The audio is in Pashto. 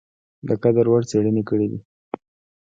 د قدر وړ څېړني کړي دي ۔